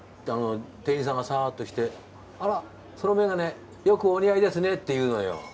店員さんがサッと来て「あらそのメガネよくお似合いですね」って言うのよ。